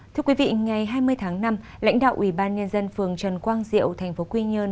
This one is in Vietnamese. thưa quý vị ngày hai mươi tháng năm lãnh đạo ủy ban nhân dân phường trần quang diệu tp quy nhơn